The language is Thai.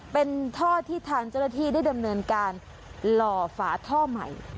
เป็นท่อที่ทางเจ้าหน้าที่ได้ดำเนินการหล่อฝาท่อใหม่